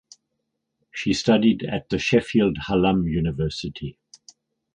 She studied at the Sheffield Hallam University.